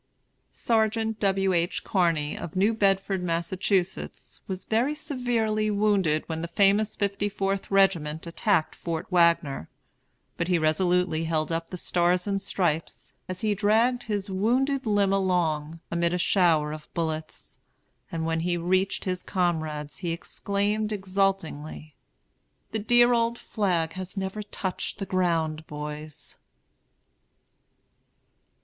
SERGEANT W. H. CARNEY, of New Bedford, Massachusetts, was very severely wounded when the famous Fifty Fourth Regiment attacked Fort Wagner; but he resolutely held up the Stars and Stripes, as he dragged his wounded limb along, amid a shower of bullets; and when he reached his comrades he exclaimed exultingly, "The dear old flag has never touched the ground, boys!"